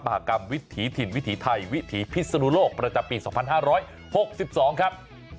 มหากรรมวิถีถิ่นวิถีไทยวิถีพิศนุโลกประจำปี๒๕๖๒ครับ